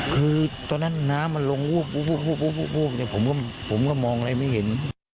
คือตอนนั้นน้ำมันลงวูบผมก็มองอะไรไม่เห็น